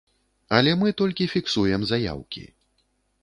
Але мы толькі фіксуем заяўкі.